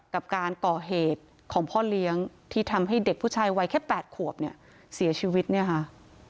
กับการก่อเหตุของพ่อเลี้ยงที่ทำให้เด็กผู้ชายวัยแค่๘ขวบเนี่ยเสียชีวิตเนี่ยค่ะ